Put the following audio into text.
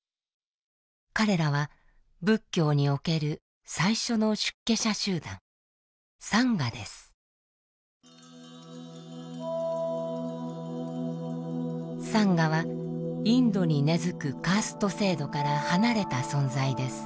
彼らは仏教における最初の出家者集団サンガはインドに根づくカースト制度から離れた存在です。